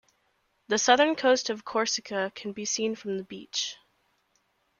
The southern coast of Corsica can be seen from the beach.